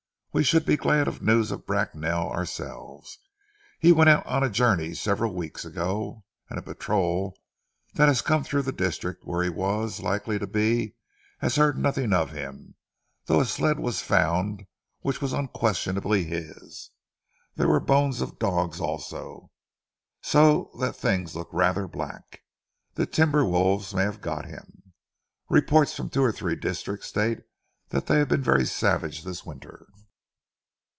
We should be glad of news of Bracknell ourselves. He went on a journey several weeks ago, and a patrol that has come through the district where he was likely to be has heard nothing of him, though a sled was found which was unquestionably his. There were the bones of dogs also, so that things look rather black. The timber wolves may have got him. Reports from two or three districts state they have been very savage this winter."